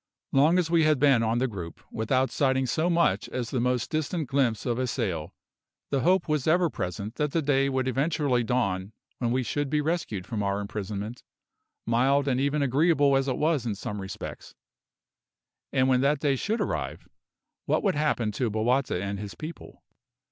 Long as we had been on the group without sighting so much as the most distant glimpse of a sail, the hope was ever present that the day would eventually dawn when we should be rescued from our imprisonment, mild and even agreeable as it was in some respects; and when that day should arrive, what would happen to Bowata and his people?